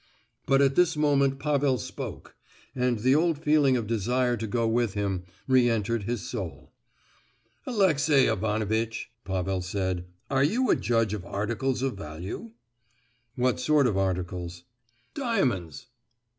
But at this moment Pavel spoke, and the old feeling of desire to go with him re entered his soul. "Alexey Ivanovitch," Pavel said, "are you a judge of articles of value?" "What sort of articles?" "Diamonds."